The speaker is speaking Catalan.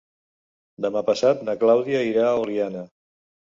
Demà passat na Clàudia irà a Oliana.